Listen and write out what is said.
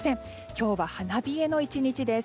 今日は花冷えの１日です。